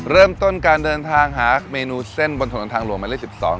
เริ่มต้นการเดินทางหาเมนูเส้นบนถนนทางหลวงหมายเลข๑๒